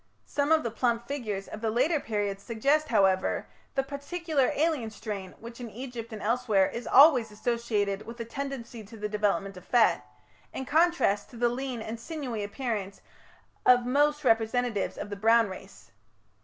Some of the plump figures of the later period suggest, however, "the particular alien strain" which in Egypt and elsewhere "is always associated with a tendency to the development of fat", in contrast to "the lean and sinewy appearance of most representatives of the Brown race".